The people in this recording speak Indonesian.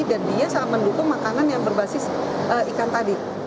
dan dia sangat mendukung makanan yang berbasis ikan tadi